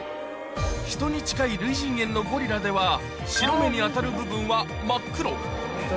ヒトに近い類人猿のゴリラでは、白目に当たる部分は真っ黒。